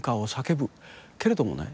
けれどもね